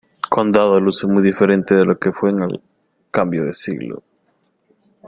Condado luce muy diferente de lo que fue en el cambio de siglo.